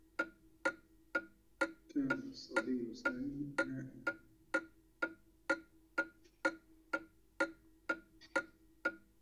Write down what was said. كان صبيّ سامي نائما.